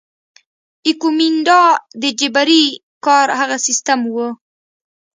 ایکومینډا د جبري کار هغه سیستم وو.